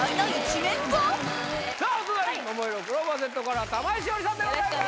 さあお隣ももいろクローバーＺから玉井詩織さんでございます